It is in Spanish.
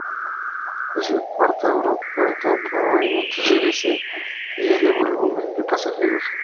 Es el cuarto aeropuerto por movimientos de Grecia y del volumen de pasajeros.